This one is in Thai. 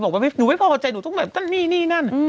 เธอบอกว่าหนูไม่พอใจหนูต้องแบบนี่นี่นั่น